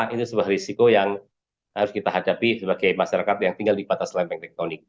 ini sebuah risiko yang harus kita hadapi sebagai masyarakat yang tinggal di batas lempeng tektonik